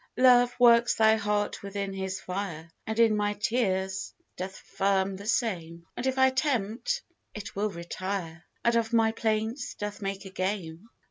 Love works thy heart within his fire, And in my tears doth firm the same; And if I tempt, it will retire, And of my plaints doth make a game.